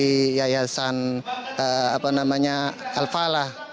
dari yayasan al falah